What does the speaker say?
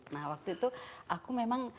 nah waktu itu aku memang